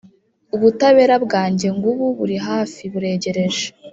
ubutabera bwanjye ngubu buri hafi, buregereje,